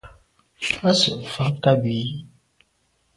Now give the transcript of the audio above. À se’ mfà nkàb i yi.